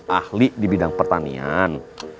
ahli di bidang pertanian